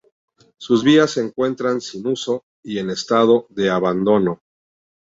Sus vías se encuentran sin uso y en estado de abandono.